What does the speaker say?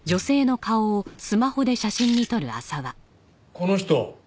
この人。